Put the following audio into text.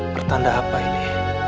pertanda apa ini